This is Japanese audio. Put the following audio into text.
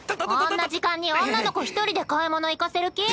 こんな時間に女の子１人で買い物行かせる気？